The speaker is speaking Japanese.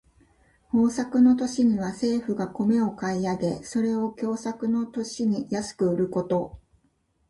豊作の年には政府が米を買い上げ、それを凶作の年に安く売ること。